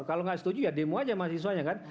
kalau tidak setuju ya demo saja mahasiswanya kan